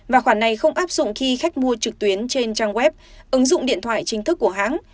và khoản này không áp dụng khi khách mua trực tuyến trên trang web ứng dụng điện thoại chính thức của hãng